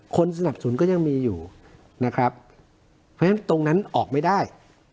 คนสนับสนก็ยังมีอยู่ตรงนั้นออกไม่ได้